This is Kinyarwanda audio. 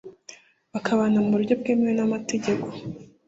bakabana mu buryo bwemewe n’amategeko.